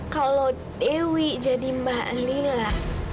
kalau dewi jadi mbak lila